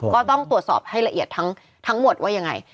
ก็ต้องตรวจสอบให้ละเอียดทั้งหมดว่ายังไง